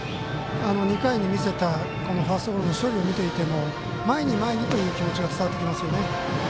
２回に見せたファーストゴロの処理を見ていても前に前にという気持ちが伝わってきますね。